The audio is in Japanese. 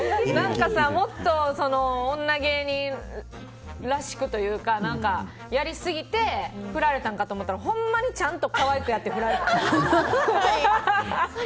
もっと女芸人らしくというかやりすぎて振られたんかと思ったらほんまにちゃんと可愛くやってフラれたんですね。